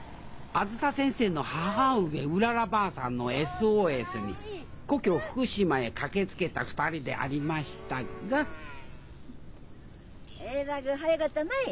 あづさ先生の母上うららばあさんのＳＯＳに故郷福島へ駆けつけた２人でありましたがえらぐ早かったない。